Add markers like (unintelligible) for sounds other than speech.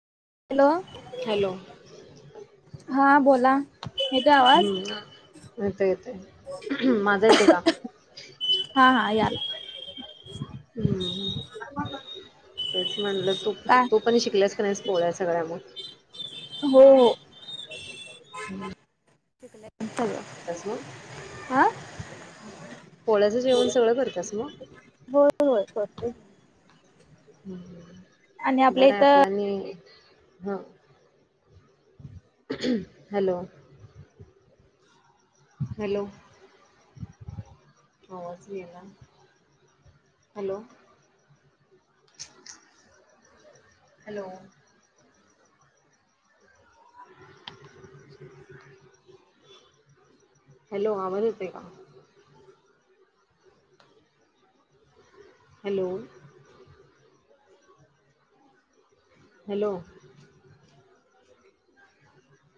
Hello. Hello हां. बोला. येतोय आवाज हम्म. आता येतोय. माझा येतोय का? हा हा याला हम्. तेच म्हणलं तू काय -तू- -पानी शेकल्यास का नाहीस पोळ्या सगळ्या म? हो. हो. हम्. शेकल्या (unintelligible) सगळं. (unintelligible) म. हा पोळ्याचं जेवण सगळं करतेस म? होय होय. करते. हं. आणि हं. आपल्या बरंय इथं आपल्या- हं. हॅलो. हॅलो. आवाज बी येईना. हॅलो. हॅलो. हॅलो. आवाज येतोय का? हॅलो. हॅलो.